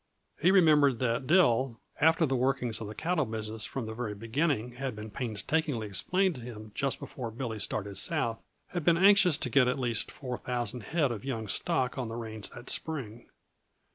He remembered that Dill, after the workings of the cattle business from the very beginning had been painstakingly explained to him just before Billy started south, had been anxious to get at least four thousand head of young stock on the range that spring.